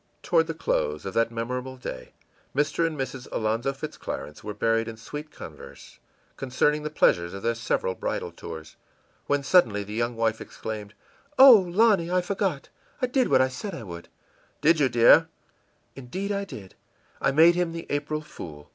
Toward the close of that memorable day Mr. and Mrs. Alonzo Fitz Clarence were buried in sweet converse concerning the pleasures of their several bridal tours, when suddenly the young wife exclaimed: ìOh, Lonny, I forgot! I did what I said I would.î ìDid you, dear?î ìIndeed, I did. I made him the April fool!